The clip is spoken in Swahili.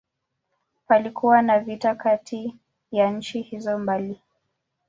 Palikuwa na vita kati ya nchi hizo mbili.